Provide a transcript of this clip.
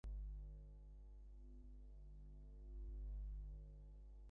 প্রথম পরিচয়টা এমনি ভাবে গেল।